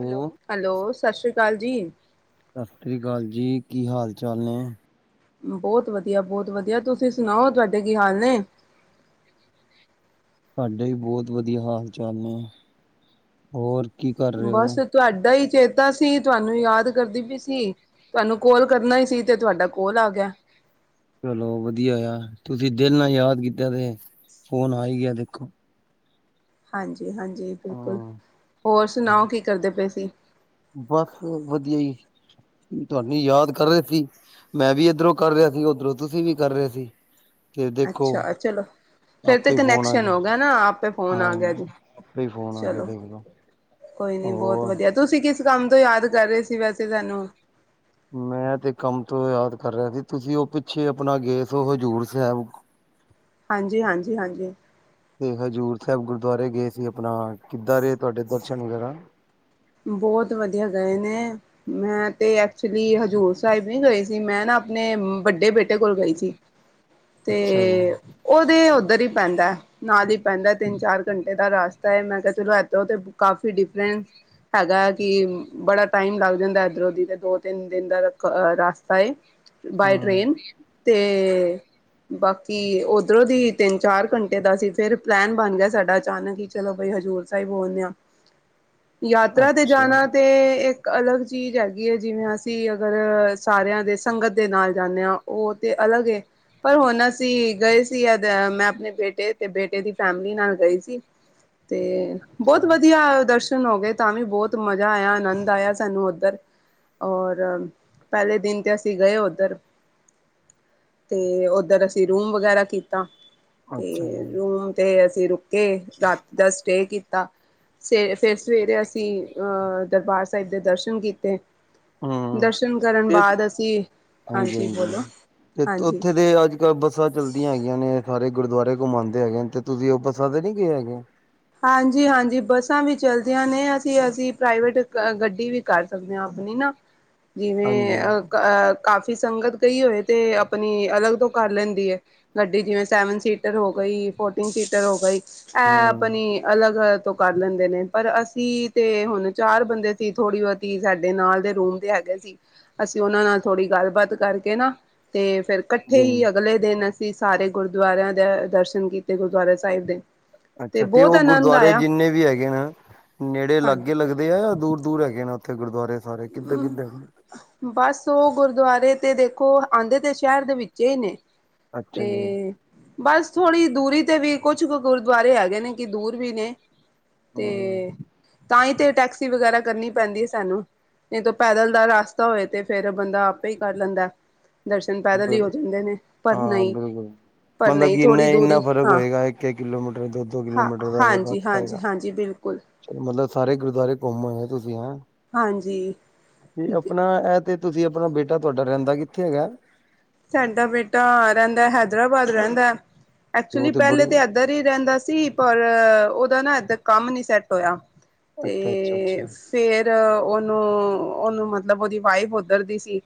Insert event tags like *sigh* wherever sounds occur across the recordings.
Hello, hello ਸਤਿ ਸ੍ਰੀ ਅਕਾਲ ਜੀ। ਵਧ ਸਤੀੀਸ੍ਰੀ ਅਕਾਲ ਜੀ ਕੀ ਹਾਲ ਚਾਲ ਨੇ? ਬਹੁਤ ਵਧੀਆ-, ਬਹੁਤ ਵਧੀਆ। ਤੁਸੀਂ ਸੁਣਾਓ ਤੁਹਾਡੇ ਕੀ ਹਾਲ ਨੇ? ਸਾਡੇ ਵੀ ਬਹੁਤ ਵਧੀਆ ਹਾਲ ਚਾਲ ਨੇ, ਹੋਰ ਕੀ ਕਰ ਰਹੇ ਬਸ ਓ? ਤੁਹਾਡਾ ਈ ਚੇਤਾ ਸੀ, ਤੁਹਾਨੂੰ ਈ ਯਾਦ ਕਰਦੀ ਪਈ ਸੀ। ਤੁਹਾਨੂੰ ਕਾਲ ਕਰਨਾ ਈ ਸੀ ਤੇ ਤੁਹਾਡਾ ਕਾਲ ਆ ਗਿਆ। ਚਲੋ ਵਧੀਆ ਆ, ਤੁਸੀਂ ਦਿਲ ਨਾਲ ਯਾਦ ਕੀਤਾ ਤੇ ਫੋਨ ਆ ਈ ਗਿਆ ਦੇਖੋ। ਹਾਂਜੀ-ਹਾਂਜੀ, ਬਿਲਕੁੱਲ ਹਾਂ ਹੋਰ ਸੁਣਾਓ ਕੀ ਕਰਦੇ ਪਏ ਸੀ? ਬਸ ਵਧੀਆ ਜੀ, ਤੁਹਾਨੂੰ ਯਾਦ ਕਰ ਰਹੇ ਸੀ। ਮੈਂ ਵੀ ਇੱਧਰੋਂ ਕਰ ਰਿਹਾ ਸੀ, ਉੱਧਰੋਂ ਤੁਸੀਂ ਵੀ ਕਰ ਰਹੇ ਸੀ। ਤੇ ਦੇਖੋ ਅੱਛਾ-ਅੱਛਾ, ਚਲੋ। ਫਿਰ ਤੇ ਆਪੇ ਫੋਨ ਆ ਕਨੈਕਸ਼ਨ ਹੋ ਗਿਆ ਨਾ, ਆਪੇ ਫੋਨ ਹਾਂ ਆ ਗਿਆ ਜੀ, ਆਪੇ ਹੀ ਫੋਨ ਆ ਗਿਆ ਚਲੋ। ਦੇਖ ਲੋ ਕੋਈ ਨੀ ਬਹੁਤ ਹੋਰ ਵਧੀਆ, ਤੁਸੀਂ ਕਿਸ ਕੰਮ ਤੋਂ ਯਾਦ ਕਰ ਰਹੇ ਸੀ ਵੈਸੇ ਸਾਨੂੰ? ਮੈਂ ਤੇ ਕੰਮ ਤੋਂ ਯਾਦ ਕਰ ਰਿਹਾ ਸੀ, ਤੁਸੀਂ ਉਹ ਆਪਣਾ ਗਏ ਸੋ ਹਜ਼ੂਰ ਸਾਹਿਬ ਹਾਂਜੀ-ਹਾਂਜੀ-ਹਾਂਜੀ। ਤੇ ਹਜ਼ੂਰ ਸਾਹਿਬ ਗੁਰਦੁਆਰੇ ਗਏ ਸੀ, ਆਪਣਾ ਕਿੱਦਾਂ ਰਹੇ ਤੁਹਾਡੇ ਦਰਸ਼ਨ ਵਗੈਰਾ? ਬਹੁਤ ਵਧੀਆ ਗਏ ਨੇ। ਮੈਂ ਤੇ ਐਕਚੁਲੀ ਹਜ਼ੂਰ ਸਾਹਿਬ ਨੀ ਗਈ ਸੀ ਮੈਂ ਨਾ ਆਪਣੇ ਵੱਡੇ ਬੇਟੇ ਕੋਲ ਗਈ ਸੀ। *inaudible* ਤੇ ਅੱਛਾ ਜੀ ਉਹਦੇ ਉੱਧਰ ਹੀ ਪੈਂਦਾ। ਨਾਲ ਹੀ ਪੈਂਦਾ ਤਿੰਨ, ਚਾਰ ਘੰਟੇ ਦਾ ਰਸਤਾ ਹੈ ਮੈਂ ਕਿਹਾ ਚਲੋ ਇੱਥੋਂ ਕਾਫੀ ਡਿਫਰੈਂਸ ਹੈਗਾ ਕਿ ਬੜਾ ਟਾਇਮ ਲੱਗ ਜਾਂਦਾ ਇੱਧਰੋਂ ਉੱਧਰੀ ਤੇ ਦੋ, ਤਿੰਨ ਦਿਨ ਦਾ ਰਸਤਾ ਏ ਬਾਏ ਹਾਂ ਟਰੇਨ ਤੇ ਬਾਕੀ ਉੱਧਰੋਂ ਦੀ ਤਿੰਨ, ਚਾਰ ਘੰਟੇ ਦਾ ਸੀ ਫਿਰ ਪਲੈਨ ਬਣ ਗਿਆ ਸਾਡਾ ਅਚਾਨਕ ਹੀ ਚਲੋ ਬਈ ਹਜ਼ੂਰ ਸਾਹਿਬ ਹੁੰਨੇ ਆਹ ਯਾਤਰਾ ਤੇ ਜਾਣਾ ਅੱਛਾ ਤੇ ਇੱਕ ਅਲੱਗ ਚੀਜ਼ ਹੈਗੀ ਹੈ ਜਿਵੇਂ ਅਸੀਂ ਅਗਰ ਸਾਰਿਆਂ ਦੇ ਸੰਗਤ ਦੇ ਨਾਲ ਜਾਂਦੇ ਹਾਂ। ਉਹ ਤੇ ਅਲੱਗ ਏ ਪਰ ਹੁਣ ਅਸੀਂ ਗਏ ਸੀ ਜਦ ਮੈਂ ਆਪਣੇ ਬੇਟੇ ਤੇ ਬੇਟੇ ਦੀ ਫੈਮਿਲੀ ਨਾਲ ਗਏ ਸੀ। ਤੇ ਬਹੁਤ ਵਧੀਆ ਦਰਸ਼ਨ ਹੋ ਗਏ। ਤਾਂ ਵੀ ਬਹੁਤ ਮਜ਼ਾ ਆਇਆ ਆਨੰਦ ਆਇਆ ਸਾਨੂੰ ਉੱਧਰ ਔਰ ਪਹਿਲੇ ਦਿਨ ਤੇ ਅਸੀਂ ਗਏ ਉੱਧਰ ਤੇ ਉੱਧਰ ਅਸੀਂ ਰੂਮ ਵਗੈਰਾ ਕੀਤਾ। ਅੱਛਾ ਤੇ ਜੀ ਰੂਮ ਤੇ ਅਸੀਂ ਰੁਕੇ ਰਾਤ ਦਾ ਸਟੇ ਕੀਤਾ ਫਿਰ ਸਵੇਰੇ ਅਸੀਂ ਦਰਬਾਰ ਸਾਹਿਬ ਦੇ ਦਰਸ਼ਨ ਕੀਤੇ। ਹੂੰ ਦਰਸ਼ਨ ਕਰਨ ਤੇ ਬਾਅਦ ਅਸੀਂ ਹਾਂਜੀ ਬੋਲੋ ਤੇ ਹਾਂਜੀ ਉੱਥੇ ਦੇ ਅੱਜ ਬੱਸਾਂ ਚੱਲਦੀਆਂ ਹੈਗੀਆਂ ਨੇ ਸਾਰੇ ਗੁਰਦੁਆਰੇ ਘੁੰਮਾਉਂਦੇ ਹੈਗੇ ਨੇ ਤੇ ਤੁਸੀਂ ਉਹ ਬੱਸਾਂ ਨਹੀਂ ਗਏ ਹੈਗੇ। ਹਾਂਜੀ- ਹਾਂਜੀ, ਬੱਸਾਂ ਵੀ ਚੱਲਦੀਆਂ ਨੇ ਅਸੀਂ, ਅਸੀਂ ਪ੍ਰਾਈਵੇਟ ਗੱਡੀ ਵੀ ਕਰ ਸਕਦੇ ਆ ਆਪਣੀ ਨਾ ਜਿਵੇਂ ਹਾਂਜੀ ਅਹ ਅਹ ਕਾਫ਼ੀ ਸੰਗਤ ਗਈ ਹੋਏ ਤੇ ਆਪਣੀ ਅਲੱਗ ਤੋਂ ਕਰ ਲੈਂਦੀ ਹੈ। ਗੱਡੀ ਜਿਵੇਂ, ਸੈਵਨ ਸੀਟਰ ਹੋ ਗਈ। ਫੋਰਟੀਨ ਸੀਟਰ ਹੋ ਗਈ ਅ ਹਾਂ ਆਪਣੀ ਅਲੱਗ ਤੋਂ ਕਰ ਲੈਂਦੇ ਨੇ ਪਰ ਅਸੀਂ ਤੇ ਹੁਣ ਚਾਰ ਬੰਦੇ ਸੀ ਥੋੜੀ ਬਹੁਤੀ ਸਾਡੇ ਨਾਲ ਦੇ ਰੂਮ ਦੇ ਹੈਗੇ ਸੀ। ਅਸੀਂ ਉਹਨਾਂ ਨਾਲ ਥੋੜ੍ਹੀ ਗੱਲਬਾਤ ਕਰਕੇ ਨਾ ਤੇ ਫ਼ਿਰ ਇਕੱਠੇ ਜੀ ਹੀ ਅਗਲੇ ਦਿਨ ਸਾਰੇ ਗੁਰਦੁਆਰਿਆਂ ਦੇ ਦਰਸ਼ਨ ਕੀਤੇ ਗੁਰਦੁਆਰਾ ਸਾਹਿਬ ਦੇ ਅੱਛਾ ਤੇ ਬਹੁਤ ਉਹ ਆਨੰਦ ਗੁਰਦੁਆਰੇ ਆਇਆ। ਜਿੰਨੇ ਵੀ ਹੈਗੇ ਨਾ ਨੇੜੇ ਹਾਂਜੀ। ਲਾਗੇ ਲੱਗ *unintelligible* ਦੂਰ-ਦੂਰ ਹੈਗੇ ਨੇ ਉੱਥੇ ਗੁਰਦੁਵਾਰੇ ਸਾਰੇ ਕਿੱਧਾਂ ਕਿੱਧਰ ਬਸ ਉਹ ਗੁਰਦੁਆਰੇ ਤੇ ਦੇਖੋ ਆਉਂਦੇ ਤੇ ਸ਼ਹਿਰ ਦੇ ਵਿੱਚ ਹੀ ਨੇ ਅੱਛਾ ਜੀ ਤੇ ਬਸ ਥੋੜ੍ਹੀ ਦੂਰੀ ਤੇ ਵੀ ਕੁਛ ਗੁਰਦੁਆਰੇ ਹੈਗੇ ਨੇ ਕਿ ਦੂਰ ਵੀ ਨੇ ਤੇ ਤਾਂ ਹੀ ਤੇ ਟੈਕਸੀ ਵਗੈਰਾ ਕਰਨੀ ਪੈਂਦੀ ਹੈ ਸਾਨੂੰ। ਜਦੋਂ ਪੈਦਲ ਦਾ ਰਸਤਾ ਹੋਏ ਤੇ ਫਿਰ ਬੰਦਾ ਆਪੇ ਹੀ ਕਰ ਲੈਂਦਾ। ਦਰਸ਼ਨ ਪੈਦਲ ਹੀ ਹੂੰ ਹੋ ਜਾਂਦੇ ਨੇ ਪਰ ਹਾਂ ਨਹੀਂ। ਬਿਲਕੁਲ ਪਰ ਮਤਲਬ ਨਹੀਂ ਕਿ ਇਨਾ ਥੋੜ੍ਹੀ ਦੂਰੀ ਇੰਨਾ ਫ਼ਰਕ ਹਾਂ ਹੋਏਗਾ ਇੱਕ- ਇੱਕ ਕਿਲੋਮੀਟਰ ਦੋ -ਦੋ ਹਾਂ ਕਿਲੋਮੀਟਰ ਦਾ ਹਾਂਜੀ ਫ਼ਰਕ ਹਾਂਜੀ ਪਏਗਾ। ਹਾਂਜੀ ਬਿਲਕੁਲ ਮਤਲਬ ਸਾਰੇ ਗੁਰਦੁਆਰੇ ਘੁੰਮ ਹੋਏ ਤੁਸੀਂ ਹਂ ਹਾਂਜੀ ਤੇ ਆਪਣਾ ਇਹ ਤੇ ਤੁਸੀਂ ਆਪਣਾ ਬੇਟਾ ਤੁਹਾਡਾ ਰਹਿੰਦਾ ਕਿੱਥੇ ਹੈਗਾ। ਸਾਡਾ ਬੇਟਾ ਰਹਿੰਦਾ ਹੈਦਰਾਬਾਦ ਰਹਿੰਦਾ ਉਹ ਐਕਚੁਲੀ ਤੇ ਪਹਿਲੇ ਬੜੀ ਤਾਂ ਇੱਧਰ ਰਹਿੰਦਾ ਸੀ ਪਰ ਉਹਦਾ ਨਾ ਇੱਧਰ ਕੰਮ ਨੀ ਸੈੱਟ ਹੋਇਆ। ਅੱਛਾ ਅੱਛਾ ਤੇ ਅੱਛਾ ਫੇਰ ਉਹਨੂੰ, ਉਹਨੂੰ ਮਤਲਬ ਉਹਦੀ ਵਾਈਫ ਉੱਧਰ ਦੀ ਸੀ।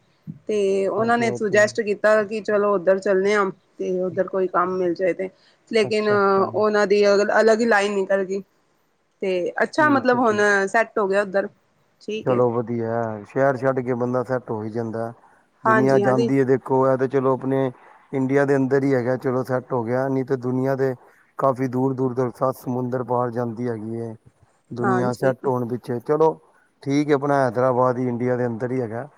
ਤੇ ਉਹਨਾਂ ਤੇ ਨੇ ਉਹ ਤੇ ਸੁਜੈਸਟ ਕੀਤਾ ਕਿ ਚਲੋ ਉੱਧਰ ਚੱਲੇ ਆ। ਤੇ ਉੱਧਰ ਕੋਈ ਕੰਮ ਮਿਲ ਜਾਏ ਤੇ ਲੇਕਿਨ ਅੱਛਾ ਅੱਛਾ ਉਹਨਾਂ ਦੇ ਦੀ ਅਲੱਗ ਹੀ ਲਾਈਨ ਨਿਕਲ ਗਈ ਤੇ ਅੱਛਾ ਠੀਕ ਹੈ ਮਤਲਬ ਹੁਣ ਠੀਕ ਸੈਟ ਹੋ ਗਿਆ ਉੱਧਰ ਠੀਕ ਹੈ ਚਲੋ ਵਧੀਆ ਸ਼ਹਿਰ ਛੱਡ ਕੇ ਬੰਦਾ ਸੈੱਟ ਹੋ ਹੀ ਜਾਂਦਾ ਦੁਨੀਆਂ ਹਾਂਜੀ ਹਾਂਜੀ। ਜਾਂਦੀ ਹੈਦੇ ਹੈ ਤੇ ਚਲੋ ਆਪਣੇ ਇੰਡੀਆ ਦੇ ਅੰਦਰ ਹੀ ਹੈਗਾ ਚਲੋ ਸੈੱਟ ਹੋ ਗਿਆ ਨਹੀਂ ਤੇ ਦੁਨੀਆਂ ਦੇ ਕਾਫੀ ਦੂਰ- ਦੂਰ ਤੋਂ ਸੱਤ ਸਮੁੰਦਰ ਬਾਹਰ ਜਾਂਦੀ ਹੈਗੀ ਏ ਦੁਨੀਆਂ ਹਾਂਜੀ ਸੈਟ ਹੋਣ ਪਿੱਛੇ ਚਲੋ ਠੀਕ ਹੈ ਆਪਣਾ ਹੈਦਰਾਬਾਦ ਹੀ ਇੰਡੀਆ ਦੇ ਅੰਦਰ ਹੀ ਹੈਗਾ।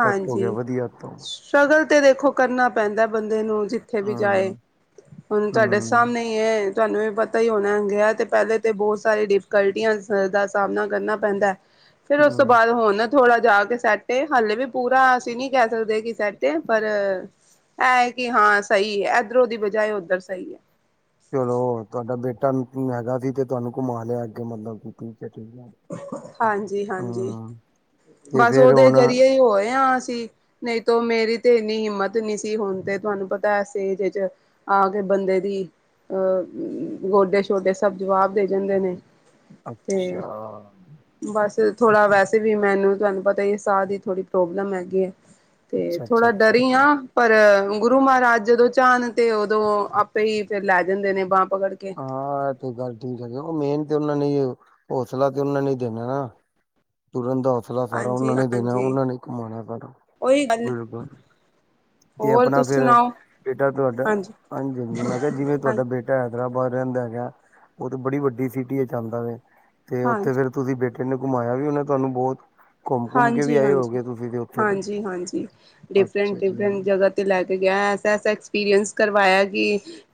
ਸੈੱਟ ਹੋ ਗਿਆ ਵਧੀਆ ਤੋਂ ਸਟਰ੍ਰਗਲ ਤੇ ਦੇਖੋ ਕਰਨਾ ਪੈਂਦਾ ਬੰਦੇ ਨੂੰ ਜਿੱਥੇ ਵੀ ਜਾਏ ਹੂੰ ਹੁਣ ਤੁਹਾਡੇ ਹੂੰ ਸਾਹਮਣੇ ਹੀ ਏ ਤੁਹਾਨੂੰ ਵੀ ਪਤਾ। ਪਤਾ ਹੀ ਹੋਣਾ ਹੈਗੇ ਤੇ ਪਹਿਲੇ ਤਾਂ ਬਹੁਤ ਸਾਰੇ ਡਿਫਕਲਟੀਆਂ ਦਾ ਸਾਹਮਣਾ ਕਰਨਾ ਪੈਂਦਾ ਫਿਰ ਉਸ ਤੋਂ ਹੂੰ। ਬਾਅਦ ਹੁਣ ਨਾ ਥੋੜ੍ਹਾ ਜਾ ਕੇ ਸੈਟ ਏ ਹਾਲੇ ਵੀ ਪੂਰਾ ਅਸੀਂ ਨੀ ਕਹਿ ਸਕਦੇ ਕਿ ਸੈਟ ਏ ਐ ਕਿ ਹਾਂ ਸਹੀ ਏ ਇੱਧਰੋਂ ਦੀ ਵਜਾ ਉੱਧਰ ਸਹੀ ਏ ਚਲੋ ਤੁਹਾਡਾ ਬੇਟਾ ਮੈਗਾ ਸੀ ਤੇ ਤੁਹਾਨੂੰ ਘੁੰਮਾ ਲਿਆ ਕਿ ਮਤਲਬ ਹੈ ਠੀਕ ਹੈ। ਹਾਜੀ -ਹਾਜੀ। ਹੂੰ ਤੇ ਬਸ ਫੇਰ ਉਹਦੇ ਹੁਣ ਜ਼ਰੀਏ ਹੀ ਹੋਏ ਆ ਅਸੀਂ ਨਹੀਂ ਤੋ ਮੇਰੀ ਤੇ ਇੰਨੀ ਹਿੰਮਤ ਨਹੀਂ ਸੀ ਹੁਣ ਤੇ ਤੁਹਾਨੂੰ ਪਤਾ ਐਸੇ ਏਜ਼ 'ਚ' ਆ ਕੇ ਬੰਦੇ ਦੀ ਅਹ ਗੋਡੇ- ਸ਼ੋਡੇ ਸਭ ਜਵਾਬ ਦੇ ਜਾਦੇ ਨੇ ਅੱਛਾ। ਤੇ ਬਸ ਥੋੜ੍ਹਾ ਵੈਸੇ ਵੀ ਮੈਨੂੰ ਤੁਹਾਨੂੰ ਪਤਾ ਸਾਹ ਦੀ ਥੋੜ੍ਹੀ ਪ੍ਰੋਬਲਮ ਹੈਗੀ ਏ ਤੇ ਅੱਛਾ ਅੱਛਾ ਥੋੜਾ ਅੱਛਾ ਡਰੀ ਆ ਅੱਛਾ। ਪਰ ਗੁਰੂ ਮਹਾਰਾਜ ਜਦੋਂ ਚਾਹਣ ਤੇ ਉਦੋਂ ਆਪੇ ਹੀ ਫਿਰ ਲੈ ਜਾਂਦੇ ਨੇ ਬਾਂ ਪਕੜ ਕੇ ਹਾਂ ਇਹ ਤੇ ਗੱਲ ਠੀਕ ਹੈਗੀ ਉਹ ਮੇਨ ਤੇ ਉਹਨਾਂ ਨੇ ਹੌਸਲਾ ਦੇਣਾ ਨਹੀਂ ਤੇ ਨਾ। ਤੁਰਨ ਦਾ ਹੌਸਲਾ ਸਾਰਾ ਹਾਂਜੀ ਉਹਨਾਂ ਨੇ ਦੇਣਾ ਹਾਂਜੀ ਉਹਨਾਂ ਨੇ ਕਮਾਣਾ ਸਾਰਾ ਉਹੀ ਗੱਲ ਬਿਲਕੁਲ ਤੇ ਹੋਰ ਆਪਣਾ ਤੁਸੀਂ ਫਿਰ ਸੁਣਾਓ ਬੇਟਾ ਤੁਹਾਡਾ ਹਾਂਜੀ- ਹਾਂਜੀ ਮੈਂ ਕਿਹਾ ਜਿਵੇਂ ਹਾਂ ਤੁਹਾਡਾ ਬੇਟਾ ਹੈਦਰਾਬਾਦ ਰਹਿੰਦਾ ਹੈਗਾ ਉਹ ਤੇ ਬੜੀ ਵੱਡੀ ਸਿਟੀ ਹੈ ਜਾਂਦਾ ਹੈ ਤਾਂ ਹਾਂਜੀ ਉੱਥੇ ਫਿਰ ਤੁਸੀਂ ਬੇਟੇ ਨੇ ਘੁੰਮਾਇਆ ਵੀ ਹੋਣਾ ਉਹਨੇ ਤੁਹਾਨੂੰ ਬਹੁਤ ਘੁੰਮ ਘੁੰਮ ਕੇ ਵੀ ਹਾਂਜੀ- ਆਏ ਹਾਂਜੀ, ਹੋਗੇ ਤੁਸੀਂ ਤੇ ਉੱਥੇ ਤੇ ਹਾਂਜੀ- ਹਾਂਜੀ, ਡਿਫਰੈਂਟ- ਅੱਛਾ ਜੀ ਡਿਫਰੈਂਟ ਜਗ੍ਹਾ ਤੇ ਤੇ ਲੈ ਕੇ ਗਿਆ ਐਸਾ-ਐਸਾ ਐਕਸਪੀਰੀਅੰਸ ਕਰਵਾਇਆ ਕਿ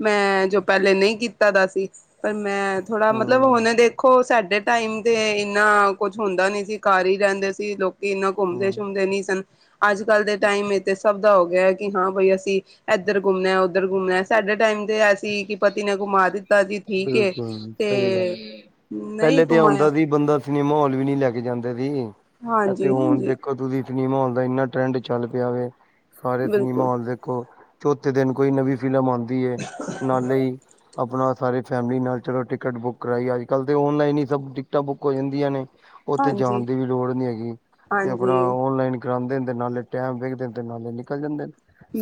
ਮੈਂ ਜੋ ਪਹਿਲੇ ਨਹੀਂ ਕੀਤਾ ਦਾ ਸੀ। ਪਰ ਮੈਂ ਥੋੜਾ ਮਤਲਬ ਹਮ ਹੁਣ ਦੇਖੋ ਸਾਡੇ ਟਾਈਮ ਤੇ ਇੰਨਾ ਕੁੱਛ ਹੁੰਦਾ ਨੀ ਸੀ। ਘਰ ਹੀ ਰਹਿੰਦੇ ਸੀ ਲੋਕ ਵੀ ਇੰਨਾ ਘੁੰਮਦੇ- ਹਮ ਸ਼ੁੰਮਦੇ ਨੀ ਸਨ। ਅੱਜ-ਕੱਲ੍ਹ ਦੇ ਟਾਈਮ ਇਥੇ ਸਭ ਦਾ ਹੋ ਗਿਆ ਕਿ ਹਾਂ ਬਾਈ ਅਸੀ ਇੱਧਰ ਘੁੰਮਣਾ-ਉੱਧਰ ਘੁੰਮਣਾ ਸਾਡੇ ਟਾਈਮ ਤੇ ਐਸੀ ਕਿ ਪਤੀ ਨੇ ਘੁੰਮਾ ਦਿੱਤਾ। ਜੀ ਠੀਕ ਏ ਬਿਲਕੁਲ ਸਹੀ ਗੱਲ ਤੇ ਏ। ਨਹੀਂ ਪਹਿਲੇ ਤੇ ਆਉਦਾ ਘੁਮਾਇਆ ਸੀ ਬੰਦਾ ਨਹੀਂ ਮਾਹੌਲ ਵੀ ਨੀ ਲੈ ਕੇ ਜਾਂਦੇ ਸੀ ਅਤੇ ਹਾਂਜੀ ਹੁਣ ਹਾਂਜੀ ਦੇਖੋ ਤਸੀਂ ਨੀ ਮਹੋਲ ਦਾ ਇੰਨਾ ਟਰੈਂਡ ਚੱਲ ਪਿਆ ਵ ਸਾਰੇ ਤੁਸੀ ਬਿਲਕੁਲ ਮਹੋਲ ਦੇਖੋ ਚੌਥੇ ਦਿਨ ਕੋਈ ਨਵੀ ਫਿਲਮ ਆਦੀ ਏ ਨਾਲੇ ਆਪਣਾ ਸਾਰੇ ਫੈਮਲੀ ਨਾਲ ਚਲੋ ਟਿਕਟ ਬੁੱਕ ਕਰਾਈ ਅੱਜ-ਕੱਲ੍ਹ ਤੇ ਓਨਲਾਈਨ ਹੀ ਸਭ ਟਿਕਟਾਂ ਬੁੱਕ ਹੋ ਜਾਂਦੀਆਂ ਨੇ। ਉੱਥੇ ਹਾਂਜੀ ਜਾਣ ਦੀ ਵੀ ਲੋੜ ਨੀ ਹੈਗੀ ਵੀ ਆਪਣਾ ਹਾਂਜੀ, ਓਨਲਾਈਨ ਕਰਾਦੇ ਨੇ ਤੇ ਨਾਲੇ ਟੈਮ ਵਖਦੇ ਤੇ ਨਾਲੇ ਨਿਕਲ ਜਾਂਦੇ ਨੇ।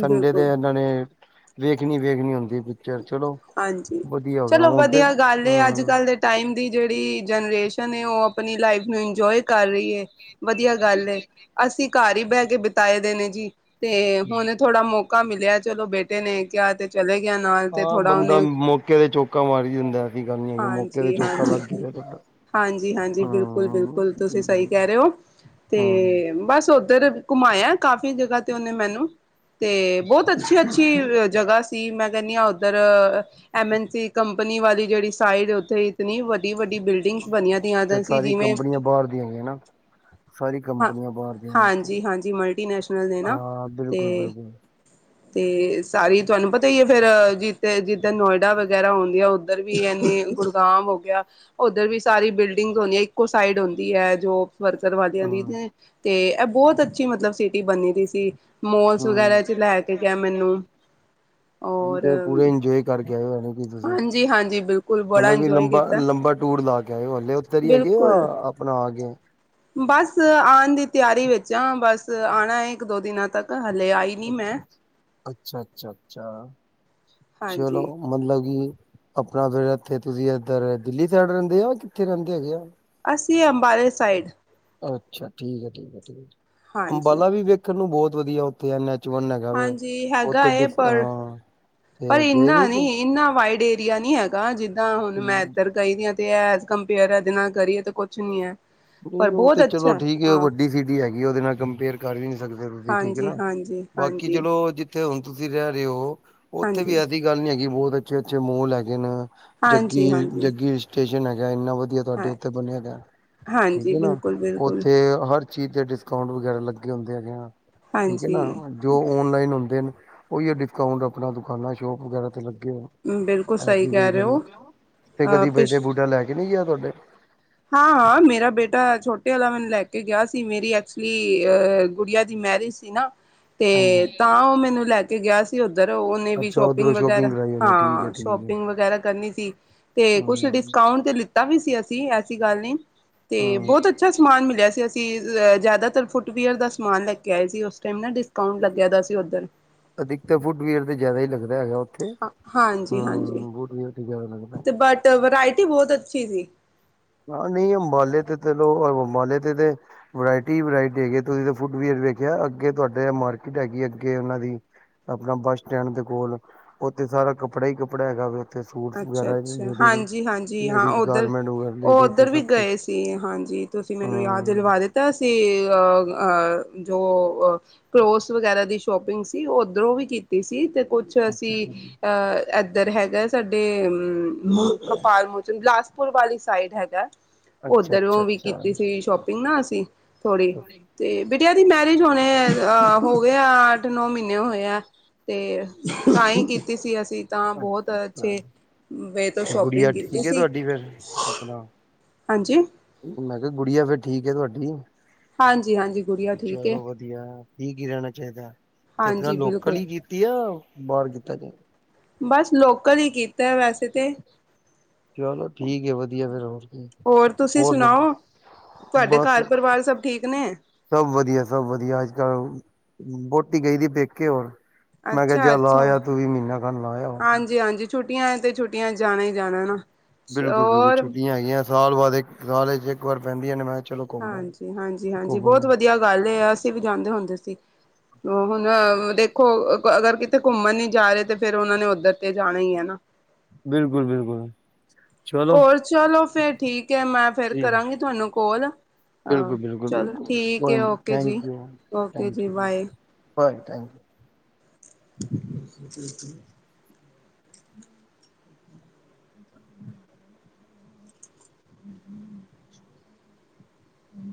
ਸੰਡੇ ਦੇ ਇਹਨਾਂ ਨੇ ਵੇਖਣੀ-ਵੇਖਣੀ ਹੁੰਦੀ ਪਿਕਚਰ ਚਲੋ। ਹਾਂਜੀ ਵਧੀਆ ਹੋ ਗਿਆ ਚਲੋ ਹੁਣ ਤੇ ਵਧੀਆ ਗੱਲ ਏ ਹਮ ਅੱਜ-ਕੱਲ੍ਹ ਦੇ ਟਾਈਮ ਦੀ ਜਿਹੜੀ ਜਨਰੇਸ਼ਨ ਏ, ਉਹ ਆਪਣੀ ਲਾਈਫ ਨੂੰ ਇੰਜੋਏ ਕਰ ਰਹੀ ਏ। ਵਧੀਆ ਗੱਲ ਏ। ਅਸੀਂ ਘਰ ਹੀ ਬਹਿ ਕੇ ਬਿਤਾਏ ਦਿਨ ਨੇ ਜੀ। ਤੇ ਹੁਣ ਥੋੜਾ ਮੌਕਾ ਮਿਲਿਆ ਚਲੋ ਬੇਟੇ ਨੇ ਕਿਹਾ ਤੇ ਚਲੇ ਗਿਆ ਨਾਲ ਤੇ ਹਾਂ ਥੋੜਾ ਬੰਦਾ ਉਹਨੇ ਮੌਕੇ ਤੇ ਚੌਕਾ ਮਾਰੀ ਜਾਂਦਾ ਐਸੀ ਗੱਲ ਨੀ ਕਿ ਮੌਕੇ ਤੇ ਚੌਕਾ ਹਾਂਜੀ-ਹਾਂਜੀ ਲੱਗ ਗਿਆ। ਹਾਂਜੀ-ਹਾਂਜੀ। ਬਿਲਕੁਲ-ਬਿਲਕੁਲ ਤੁਸੀਂ ਸਹੀ ਕਹਿ ਰਹੇ ਹੋ ਹੂੰ, ਤੇ ਬਸ ਉੱਧਰ ਘੁਮਾਇਆ ਕਾਫ਼ੀ ਜਗ੍ਹਾ ਤੇ ਉਹਨੇ ਮੈਨੂੰ। ਤੇ ਬਹੁਤ ਅੱਛੀ-ਅੱਛੀ ਜਗ੍ਹਾ ਸੀ ਤੇ ਮੈਂ ਕਹਿਣੀ ਹਾਂ ਇਧਰ ਐਮ, ਐਨ, ਸੀ ਕੰਪਨੀ ਵਾਲੀ ਜਿਹੜੀ ਸਾਈਡ ਉੱਥੇ ਇਤਨੀ ਵੱਡੀ-ਵੱਡੀ ਬਿਲਡਿੰਗ ਡਿਸ਼ ਬਣੀਆਂ ਦੀਆਂ ਤੇ ਸੀ। ਸਾਰੀ ਜਿਵੇਂ ਕੰਪਨੀਆਂ ਬਾਹਰ ਦੀਆਂ ਹੈਗੀਆਂ ਨਾ। ਸਾਰੀ ਹਾਂ, ਕੰਪਨੀਆਂ ਬਾਹਰ ਦੀਆਂ ਨੇ ਇੱਥੇ ਹਾਂਜੀ-ਹਾਂਜੀ। ਮਲਟੀਨੈਸ਼ਨਲ ਨੇ ਨਾ ਹਾਂ ਤੇ ਬਿਲਕੁਲ ਬਿਲਕੁਲ ਤੇ ਸਾਰੀ ਤਹਾਨੂੰ ਪਤਾ ਹੀ ਏ ਫਿਰ ਤੇ ਜਿੱਧਰ ਨੋਇਡਾ ਵਗੈਰਾ ਹੁੰਦੀ ਆ ਉੱਧਰ ਵੀ ਇਨੀ ਗੁੜਗਾਮ ਹੋ ਗਿਆ। ਉੱਧਰ ਵੀ ਸਾਰੀ ਬਿਲਡਿੰਗ ਹੁੰਦੀ ਐ ਇੱਕੋ ਸਾਈਡ ਹੁੰਦੀ ਐ ਜੋ ਵਰਕਰ ਵਾਲਿਆਂ ਦੀ ਹੂੰ ਤੇ ਇਹ ਬਹੁਤ ਅੱਛੀ ਮਤਲਬ ਸਿਟੀ ਬਣੀ ਦੀ ਸੀ। ਮੋਲਸ ਹੂੰ। ਵਗੈਰਾ ਚ ਲੈਕੇ ਗਿਆ ਮੈਨੂੰ ਔਰ। ਤੇ ਪੂਰੇ *unintelligible* ਹਾਂਜੀ-ਹਾਂਜੀ। ਮਤਲਬ ਕਿ ਲੰਬਾ-ਲੰਬਾ ਟੂਰ ਲਾ ਕੇ ਆਇਓ ਹਲੇੇ ਉੱਥੇ ਹੀ ਹੈਗੇ ਜਾਂ ਬਿਲਕੁਲ ਆਪਣਾ ਆ ਗਏ ਓਹ। ਬਸ ਆਣ ਦੀ ਤਿਆਰੀ ਵਿੱਚ ਹਾਂ ਬਸ ਆਣਾ ਹੈ ਇੱਕ-ਦੋ ਦਿਨਾਂ ਤੱਕ ਹਲੇ ਆਈ ਨੀ ਅੱਛਾ, ਮੈਂ ਅੱਛਾ-ਅੱਛਾ-ਅੱਛਾ ਚਲੋ। ਹਾਂਜੀ ਮਤਲਬ ਕਿ ਆਪਣਾ ਫਿਰ ਇੱਥੇ ਤੁਸੀ ਇੱਧਰ ਦਿੱਲੀ ਸਾਈਡ ਰਹਿੰਦੇ ਆ ਕਿੱਥੇ ਰਹਿੰਦੇ ਹੈਗੇ ਆ। ਅਸੀ ਅੰਬਾਲੇ ਸਾਈਡ। ਅੱਛਾ, ਠੀਕ ਏ -ਠੀਕ ਏ। ਹਾਂਜੀ ਅੰਬਾਲਾ ਵੀ ਵੇਖਣ ਨੂੰ ਬਹੁਤ ਵਧੀਆ ਉੱਥੇ। ਹਾਂਜੀ ਹੈਗਾ ਏ ਪਰ *unintelligible* ਪਰ ਗਏ ਇੰਨਾ ਨੀ ਤੁ ਨਹੀਂ ਇੰਨਾ ਵਾਈਡ ਏਰੀਆ ਨਹੀਂ ਹੈਗਾ। ਕ ਜਿੱਦਾਂ ਹੁਣ ਮੈ ਐਧਰ ਗਈ ਐ ਤੇ ਐਜ ਕੰਪੇਅਰ ਇਹਦੇ ਨਾਲ ਕਰੀਏ ਤਾਂ ਕੁਛ ਨੀ ਹੈ। ਪਰ ਉਹ ਬਹੁਤ ਤੇ ਚਲੋ ਅੱਛਾ ਠੀਕ ਏ। ਹਾਂ ਵੱਡੀ ਸਿਟੀ ਹੈਗੀ ਉਹਦੇ ਨਾਲ ਕੰਪੇਅਰ ਕਰ ਵੀ ਨੀ ਸਕਦੇ ਤੁਸੀ ਠੀਕ ਏ ਹਾਂਜੀ ਨਾ। ਹਾਂਜੀ ਬਾਕੀ ਹਾਂਜੀ ਚਲੋ ਜ ਜਿੱਥੇ ਹੁਣ ਤੁਸੀ ਰਹਿ ਰਹੇ ਹੋ ਉੱਥੇ ਵੀ ਹਾਂਜੀ ਐਸੀ ਗੱਲ ਨਹੀ ਹੈਗੀ ਬਹੁਤ ਅੱਛੇ-ਅੱਛੇ ਮੋਲ ਹੈਗੇ ਨੇ। ਹਾਂਜੀ ਹਾਂਜੀ ਜੱਗੀ-ਜੱਗੀ ਸਟੇਸ਼ਨ ਹੈਗਾ ਇੰਨਾ ਵਧੀਆ ਤੁਹਾਡੇ ਹਾਂ ਉੱਥੇ ਬਣਿਆਗਾ। ਠੀਕ ਹਾਂਜੀ ਏ ਨਾ ਬਿਲਕੁਲ ਬਿਲਕੁਲ ਉੱਥੇ ਹਰ ਚੀਜ਼ ਦੇ ਡਿਸਕਾਊਟ ਵਗੈਰਾ ਲੱਗੇ ਹੁੰਦੇ ਹੈਗੇ ਠੀਕ ਏ ਨਾ ਹਾਂਜੀ ਜੋ ਆਨਲਾਈਨ ਹੁੰਦੇ। ਉਹੀ ਡਿਸਕਾਊਟ ਆਪਣਾ ਦੁਕਾਨਾਂ ਸ਼ੋਪ ਵਗੈਰਾ 'ਤੇ ਲੱਗੇ ਬਿਲਕੁਲ ਆ। ਸਹੀ ਐਸੀ ਕਹਿ ਕੋਈ ਰਹੇ ਗੱਲ ਹੋ ਨੀ ਤੇ ਅ ਕਦੀ ਪਿਛ ਬੇਟਾ-ਬੂਟਾ ਲੈ ਕੇ ਨਹੀਂ ਗਿਆ ਤੁਹਾਡੇ। ਹਾਂ-ਹਾਂ ਮੇਰਾ ਬੇਟਾਥ ਛੋਟੇ ਵਾਲਾ ਮੈਨੂੰ ਲੈ ਗਿਆ ਸੀ। ਮੇਰੀ ਐਕਚੁਲੀ ਗੁੜੀਆ ਦੀ ਮੈਰਿਜ ਸੀ। ਸੀ ਨਾ। ਹਾਂਜੀ ਤੇ ਤਾਂ ਉਹ ਮੈਨੂੰ ਲੈ ਕੇ ਗਿਆ ਸੀ ਉੱਧਰ। ਉਹਨੇ ਵੀ ਅੱਛਾ ਉਧਰੋਂ ਸ਼ੋਪਿੰਗ ਵਗੈਰਾ ਕਰਾਈ ਹੋਣੀ ਠੀਕ ਹੈ ਹਾਂ ਠੀਕ ਹੈ ਸ਼ੋਪਿੰਗ ਵਗੈਰਾ ਕਰਨੀ ਸੀ ਤੇ ਕੁਛ ਹਮ ਡਿਸਕਾਊਟ ਤੇ ਲਿੱਤਾ ਵੀ ਸੀ ਅਸੀ ਕੋਈ ਐਹੇ ਜੀ ਗੱਲ ਨੀ ਤੇ ਹਮ ਬਹੁਤ ਅੱਛਾ ਸਮਾਨ ਮਿਲਿਆ ਸੀ। ਅਸੀ ਜ਼ਿਆਦਾਤਰ ਫੁੱਟਵੀਅਰ ਦਾ ਸਮਾਨ ਲੈ ਕੇ ਆਏ ਸੀ ਉਸ ਟਾਈਮ ਡਿਸ- ਅਕਾਊਟ ਲੱਗਿਆ ਦਾ ਸੀ ਉੱਧਰ। ਅਧਿਕ ਤਾਂ ਫੁੱਟ ਵੀਅਰ ਤੇ ਜ਼ਿਆਦਾ ਹੀ ਲੱਗਦਾ ਹੈਗਾ ਉੱਥੇ। ਹਾਂਜੀ-ਹਾਂਜੀ ਹਮ ਫੁਟ ਵੀਅਰ ਦਾ। ਤੇ ਬਟ ਵਰਾਇਟੀ ਬਹੁਤ ਅੱਛੀ ਸੀ। ਹਾਂ ਨਹੀਂ ਅੰਬਾਲੇ ਤੇ ਚਲੋ ਅੰਬਾਲੇ ਤੇ ਤੇ ਵਰਾਇਟੀ-ਵਰਾਇਟੀ ਹੈਗੀ ਤੁਸੀਂ ਤਾਂ ਫੁਟ-ਵੀਅਰ ਵੇਖਿਆ ਅੱਗੇ ਤੁਹਾਡੇ ਮਾਰਕੀਟ ਹੈਗੀ ਅੱਗੇ ਉਹਨਾਂ ਦੀ। ਆਪਣਾ ਬੱਸ ਸਟੈਂਡ ਦੇ ਕੋਲ। ਉੱਥੇ ਸਾਰਾ ਕੱਪੜਾ ਹੀ ਕੱਪੜਾ ਹੈਗਾ ਵਾ। ਸੂਟ ਵਗੈਰਾ ਅੱਛਾ-ਅੱਛਾ, ਲੇਡੀਜ਼, ਲੇਡੀਜ਼ ਗਾਰਮੈਂਟ ਵਗੈਰਾ। ਲੇਡੀਜ਼ ਤੇ ਇੱਧਰ ਵੀ ਸਭ ਕੁਛ ਗਏ ਸੀ ਹਾਂਜੀ ਤੁਸੀ ਮੈਨੂੰ ਯਾਦ ਹੂੰ ਦਿਲਵਾ ਦਿੱਤਾ ਸੀ ਅਹ -ਅਹ ਜੋ ਅ ਕਲੋਥਜ ਵਗੈਰਾ ਦੀ ਸ਼ੋਪਿੰਗ ਸੀ ਓਧਰੋਂ ਵੀ ਕੀਤੀ ਸੀ ਤੇ ਕੁਛ ਅਸੀ ਅੱਛਾ ਅਹ ਇੱਧਰ ਹੈਗਾ। ਸਾਡੇ ਗੋਪਾਲ ਮੋਚਨ ਬਿਲਾਸਪੁਰ ਵਾਲੀ ਸਾਈਡ ਹੈਗਾ। ਅੱਛਾ ਓਧਰੋਂ ਅੱਛਾ ਵੀ ਅੱਛਾ ਕੀਤੀ ਸੀ ਸ਼ੋਪਿੰਗ ਨਾ ਅਸੀਂ ਥੋੜ੍ਹੀ। ਤੇ ਬਿਟਿਆ ਦੀ ਮੈਰਿਜ ਹੁਣੇ ਹੋ ਗਏ ਆ ਅੱਠ-ਨੌ ਮਹੀਨੇ ਹੋਏ ਆ। ਤੇ ਤਾਹੀ ਕੀਤੀ ਸੀ ਅਸੀਂ ਤਾਂ ਅੱਛਾ ਬਹੁਤ। ਅੱਛਾ ਬੇ ਤੋਂ ਸ਼ੋਪਿੰਗ ਗੁੜੀਆ ਕੀਤੀ ਠੀਕ ਹੈ ਸੀ। ਤੁਹਾਡੀ ਫੇਰ ਆਪਣਾ ਹਾਂਜੀ ਮੈਂ ਕਿਹਾ ਗੁੜੀਆ ਫਿਰ ਠੀਕ ਐ ਤੁਹਾਡੀ। ਹਾਂਜੀ ਹਾਂਜੀ ਗੁੜੀਆ ਠੀਕ ਹੈ ਚਲੋ ਵਧੀਆ ਠੀਕ ਏ ਰਹਿਣਾ ਚਾਹੀਦਾ। ਤੇ ਆਪਣਾ ਹਾਂਜੀ ਲੋਕਲ ਬਿਲਕੁਲ ਹੀ ਕੀਤੀ ਆ, ਬਾਹਰ ਕੀਤਾ ਜਾ। ਬਸ ਲੋਕਲ ਹੀ ਗੀਤ ਐ ਵੈਸੇ ਤੇ ਚਲੋ ਠੀਕ ਐ ਵਧੀਆ ਫਿਰ ਹੋਰ ਕੀ ਏ ਹੋਰ ਸੁਣਾਓ? ਤੁਹਾਡੇ ਬਸ ਘਰ ਪਰਿਵਾਰ ਸਭ ਠੀਕ ਨੇ। ਸਭ ਵਧੀਆ ਸਭ ਵਧੀਆ ਅੱਜ-ਕੱਲ ਵੋਟੀ ਗਈ ਦੀ ਪੇਕੇ ਹੋਰ। ਮੈਂ ਕਿਹਾ ਅੱਛਾ ਜਾ ਅੱਛਾ ਲਾਇਆ ਤੋਂ ਵੀ ਮਹੀਨਾ ਕਾਨੂੰ ਲਾਇਆ ਵਾ। ਹਾਂਜੀ ਹਾਂਜੀ ਛੁੱਟੀਆਂ ਤੇ ਛੁੱਟੀਆਂ ਜਾਣਾ-ਜਾਣਾ ਨਾ। ਬਿਲਕੁਲ-ਬਿਲਕੁਲ। ਹੋਰ ਛੁੱਟੀਆਂ ਹੈਗੀਆਂ ਸਾਲ ਬਾਅਦ ਇੱਕ ਸਾਲ ਚ ਇੱਕ ਵਾਰ ਪੈਂਦੀਆਂ ਨੇ। ਚਲੋ ਘੁੰਮ ਆਓ। ਹਾਂਜੀ, ਹਾਂਜੀ, ਹਾਂਜੀ ਘੁੰਮ ਬਹੁਤ ਆਓ। ਵਧੀਆ ਗੱਲ ਏ ਅਸੀਂ ਵੀ ਜਾਂਦੇ ਹੁੰਦੇ ਸੀ। ਉਹ ਹੁਣ ਦੇਖੋ ਅਗਰ ਕਿਤੇ ਘੁੰਮਣ ਨੀ ਜਾ ਰਹੇ ਤੇ ਫਿਰ ਉਹਨਾ ਨੇ ਉੱਧਰ ਤੇ ਜਾਣਾ ਹੀ ਐ ਨਾ। ਬਿਲਕੁਲ-ਬਿਲਕੁਲ। ਹੋਰ ਚਲੋ ਫਿਰ ਠੀਕ ਐ ਮੈਂ ਫਿਰ ਜੀ ਕਰਾਂਗੀ ਤੁਹਾਨੂੰ ਕੋਲ। ਅ ਬਿਲਕੁਲ, ਬਿਲਕੁਲ, ਚਲੋ ਠੀਕ ਹੈ ਬਿਲਕੁਲ। ਓਕੇ ਜੀ thank you okay thank you ਜੀ। ਬਾਏ ਹਾਂਜੀ-ਹਾਂਜੀ। *inaudible* ਹਮ-ਹਮ ਹਮ।